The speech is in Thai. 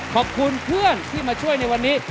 ขอบคุณเพื่อนที่มาช่วยในวันนี้